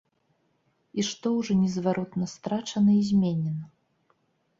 І што ўжо незваротна страчана і зменена?